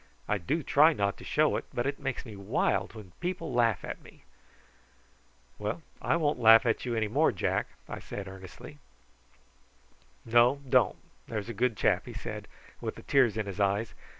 I do try not to show it, but it makes me wild when people laugh at me." "Well, I won't laugh at you any more, Jack," I said earnestly. "No, don't; there's a good chap," he said, with the tears in his eyes.